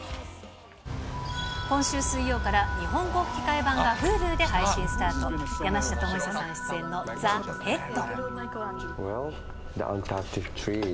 今週水曜から日本語吹き替え版がＨｕｌｕで配信スタート、山下智久さん出演のザ・ヘッド。